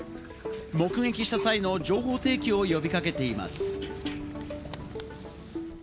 目撃した際の情報提供を呼び掛けています。